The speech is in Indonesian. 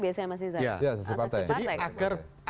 biasanya mas iza ya saksi partai